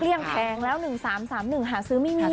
เรียกแผงแล้ว๑๓๓๑หาซื้อไม่มี